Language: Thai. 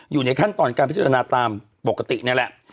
อยู่ในขั้นตอนการพิจารณาตามปกตินี่แหละ